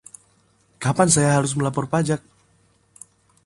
Kapan saya harus melapor pajak?